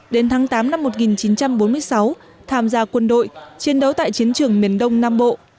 đến tháng tám năm một nghìn chín trăm bốn mươi sáu tham gia quân đội chiến đấu tại chiến trường miền đông nam bộ